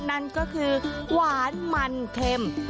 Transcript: นั่นก็คือหวานมันเค็ม